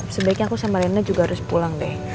sebaiknya aku sama rena juga harus pulang deh